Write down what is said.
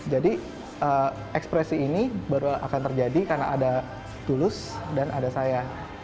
jadi ekspresi ini baru akan terjadi karena ada tulus dan ada saya